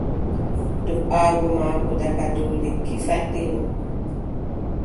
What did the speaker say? Do"aago maako daga dow lekki faɗɗi mo.